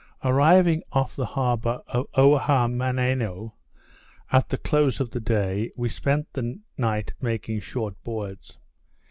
Arriving off the harbour of Ohamaneno at the close of the day, we spent the night making short boards.